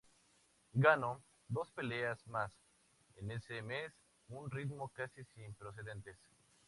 Ganó dos peleas más en ese mes, un ritmo casi sin precedentes.